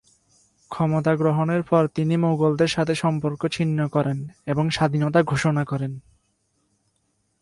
ক্ষমতা গ্রহণের পর তিনি মোগলদের সাথে সম্পর্ক ছিন্ন করেন এবং স্বাধীনতা ঘোষণা করেন।